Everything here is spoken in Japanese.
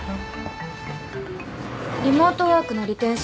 リモートワークの利点